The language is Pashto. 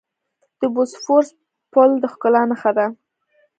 د بوسفورس پل د ښکلا نښه ده.